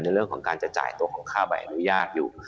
ในเรื่องของการจะจ่ายตัวของค่าใบอนุญาตอยู่